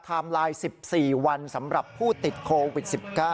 ไลน์๑๔วันสำหรับผู้ติดโควิด๑๙